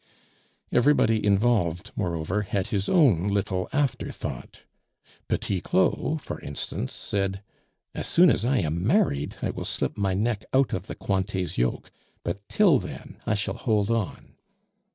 Everybody involved, moreover, had his own little afterthought. Petit Claud, for instance, said, "As soon as I am married, I will slip my neck out of the Cointets' yoke; but till then I shall hold on."